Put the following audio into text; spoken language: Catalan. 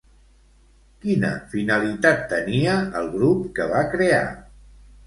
Quina finalitat tenia el grup que va crear?